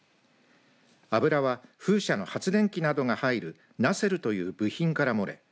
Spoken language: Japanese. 油は風車の発電機などが入るナセルという部品から漏れ